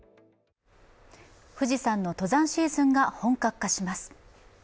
富士山の登山シーズンが本格化します。